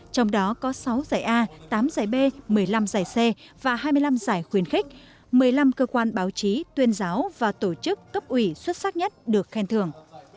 trong đó có sáu giải a tám giải b một mươi năm giải c và hai mươi năm giải khuyên khích một mươi năm cơ quan báo chí tuyên giáo và tổ chức cấp ủy xuất sắc nhất được khen thưởng